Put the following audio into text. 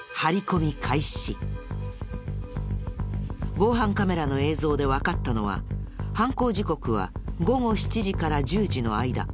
防犯カメラの映像でわかったのは犯行時刻は午後７時から１０時の間。